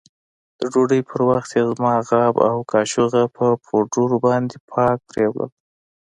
د ډوډۍ پر وخت يې زما غاب او کاشوغه په پوډرو باندې پاک پرېولل.